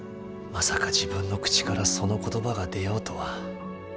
まさか自分の口からその言葉が出ようとは。